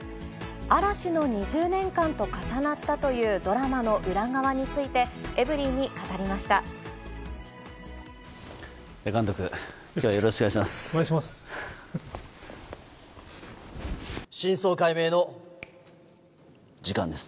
嵐の２０年間と重なったというドラマの裏側について、エブリィに監督、お願いします。